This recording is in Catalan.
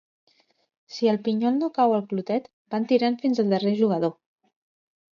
Si el pinyol no cau al clotet, van tirant fins al darrer jugador.